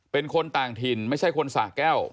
เป็นคนต่างถิ่นไม่ใช่คนสะแก้ว